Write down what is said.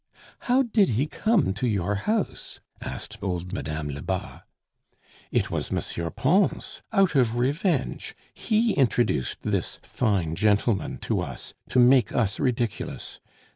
"How did he come to your house?" asked old Mme. Lebas. "It was M. Pons. Out of revenge, he introduced this fine gentleman to us, to make us ridiculous....